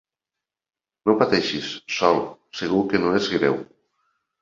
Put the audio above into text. No pateixis, Sol, segur que no és greu.